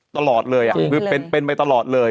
ตลอดเลยคือเป็นไปตลอดเลย